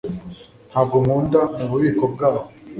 Ntabwo nkunda mububiko bwaho